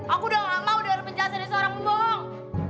aku udah gak mau dari penjelasan dari seorang bohong